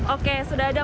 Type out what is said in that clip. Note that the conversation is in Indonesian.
oke sudah ada